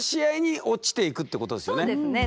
そうですね。